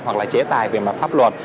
hoặc là chế tài về mặt pháp luật